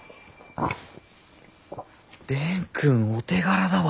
蓮くんお手柄だわ。